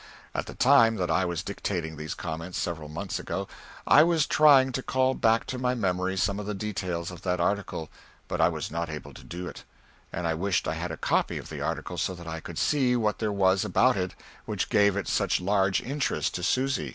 At the time that I was dictating these comments, several months ago, I was trying to call back to my memory some of the details of that article, but I was not able to do it, and I wished I had a copy of the article so that I could see what there was about it which gave it such large interest for Susy.